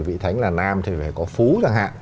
vị thánh là nam thì phải có phú chẳng hạn